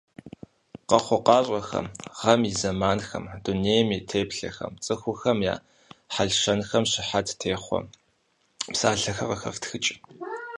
Къэхъукъащӏэхэм, гъэм и зэманхэм, дунейм и теплъэхэм, цӏыхухэм я хьэлщэнхэм щыхьэт техъуэ псалъэхэр къыхэфтхыкӏ.